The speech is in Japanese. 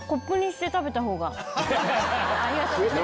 ありがとうございます。